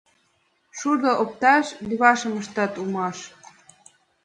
Шудо опташ левашым ыштат улмаш.